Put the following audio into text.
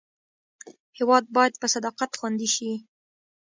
هېواد باید په صداقت خوندي شي.